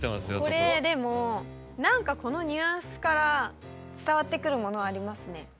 これでも何かこのニュアンスから伝わってくるものはありますね。